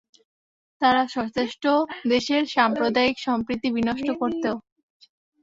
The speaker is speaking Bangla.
তারা সচেষ্ট দেশের সাম্প্রদায়িক সম্প্রীতি বিনষ্ট করতেও।